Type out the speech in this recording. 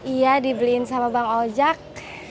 iya dibeliin sama bank ojak